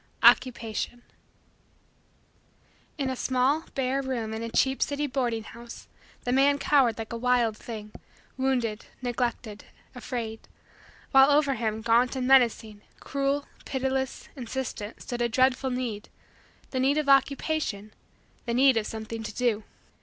OCCUPATION In a small, bare, room in a cheap city boarding house, the man cowered like a wild thing, wounded, neglected, afraid; while over him, gaunt and menacing, cruel, pitiless, insistent, stood a dreadful need the need of Occupation the need of something to do.